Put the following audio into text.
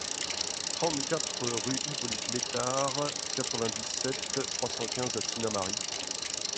trente-quatre rue Hippolyte Lètard, quatre-vingt-dix-sept, trois cent quinze à Sinnamary